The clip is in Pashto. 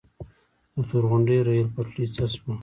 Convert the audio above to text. د تورغونډۍ ریل پټلۍ څه شوه؟